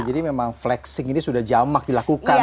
jadi memang flexing ini sudah jamak dilakukan